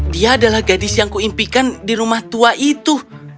dia adalah gadis yang kuingin di rumah tua itu